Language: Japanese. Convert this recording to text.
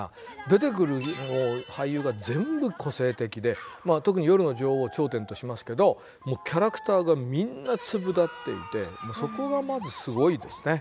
出てくる俳優が全部個性的で特に夜の女王を頂点としますけどキャラクターがみんな粒立っていてそこがまずすごいですね。